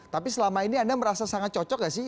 tapi selama ini anda merasa sangat cocok gak sih